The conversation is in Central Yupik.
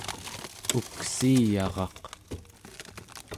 uksiiyaraq